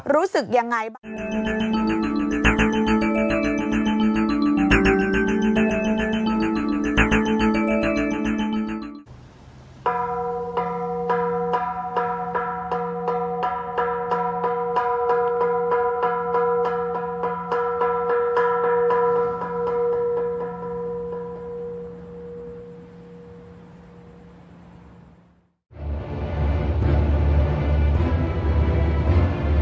รู้สึกยังไง